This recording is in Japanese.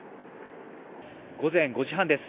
午前５時半です。